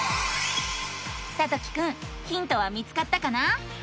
さときくんヒントは見つかったかな？